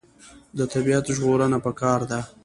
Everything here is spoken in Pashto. د طبیعت ژغورنه پکار ده.